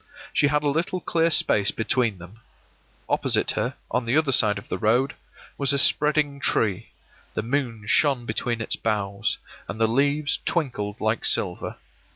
She had a little clear space between them. Opposite her, on the other side of the road, was a spreading tree; the moon shone between its boughs, and the leaves twinkled like silver.